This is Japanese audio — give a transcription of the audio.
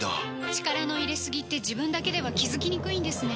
力の入れすぎって自分だけでは気付きにくいんですね